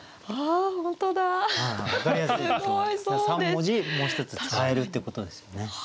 ３文字もう一つ使えるっていうことですよね。